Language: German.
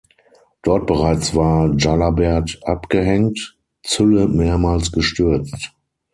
Dort bereits war Jalabert abgehängt, Zülle mehrmals gestürzt.